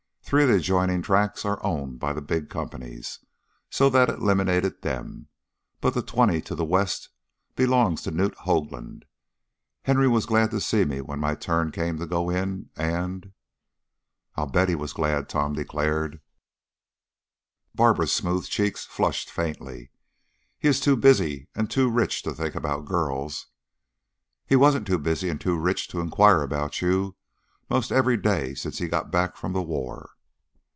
Three of the adjoining tracts are owned by the big companies, so that eliminated them, but the twenty to the west belongs to Knute Hoaglund. Henry was glad to see me when my turn came to go in, and " "I bet he was glad," Tom declared. Barbara's smooth cheeks flushed faintly. "He is too busy and too rich to think about girls." "He wasn't too busy and too rich to inquire about you 'most every day since he got back from the war."